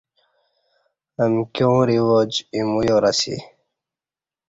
امکیاں رواج ایمو یار اسی